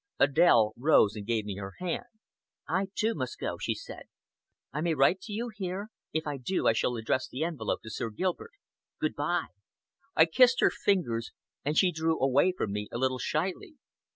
Adèle rose and gave me her hand. "I too, must go," she said. "I may write to you here if I do I shall address the envelope to Sir Gilbert. Good bye!" I kissed her fingers, and she drew away from me a little shyly.